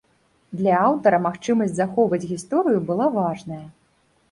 Для аўтара магчымасць захоўваць гісторыю была важная.